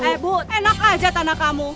eh bu enak aja tanah kamu